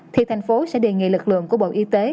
thì thành phố sẽ đề nghị lực lượng của bộ y tế